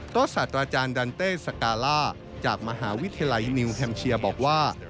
ศาสตราจารย์ดันเต้สกาล่าจากมหาวิทยาลัยนิวแฮมเชียบอกว่า